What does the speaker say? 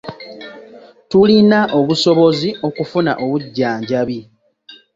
Tulina obusobozi okufuna obujjanjabi.